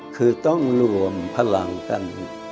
คือต้องรวมพลังกัน